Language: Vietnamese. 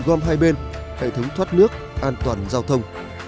gom hai bên hệ thống thoát nước an toàn giao thông